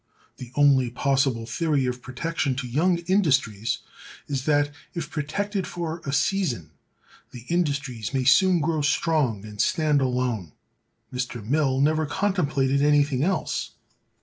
The only possible theory of protection to young industries is that, if protected for a season, the industries may soon grow strong and stand alone. Mr. Mill never contemplated anything else.